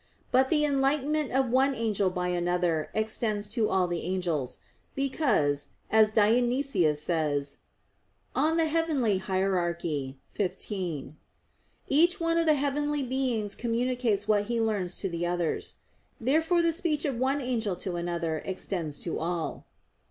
But the enlightenment of one angel by another extends to all the angels, because, as Dionysius says (Coel. Hier. xv): "Each one of the heavenly beings communicates what he learns to the others." Therefore the speech of one angel to another extends to all.